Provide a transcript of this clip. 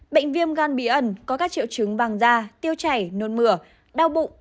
bệnh viêm gan bí ẩn có các triệu chứng vàng da tiêu chảy nôn mửa đau bụng